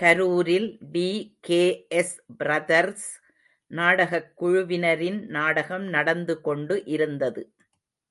கரூரில் TKS., brothers நாடகக் குழுவினரின்நாடகம் நடந்து கொண்டு இருந்தது.